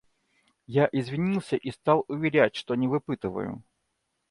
Я извинился и стал уверять, что не выпытываю.